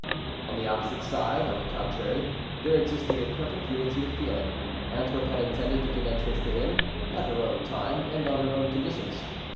On the opposite side, on the contrary, there existed a perfect unity of feeling. Antwerp had intended to give entrance to him, at her own time and on her own conditions.